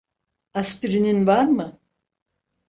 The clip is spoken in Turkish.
Aspirinin var mı?